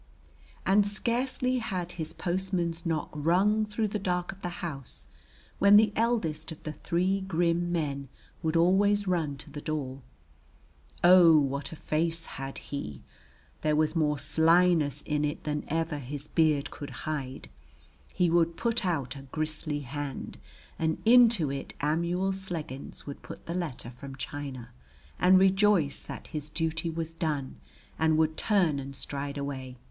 And scarcely had his postman's knock rung through the dark of the house when the eldest of the three grim men would always run to the door. O, what a face had he. There was more slyness in it than ever his beard could hide. He would put out a gristly hand; and into it Amuel Sleggins would put the letter from China, and rejoice that his duty was done, and would turn and stride away.